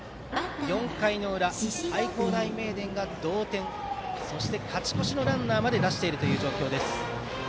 ４回の裏、愛工大名電が同点そして勝ち越しのランナーまで出している状態です。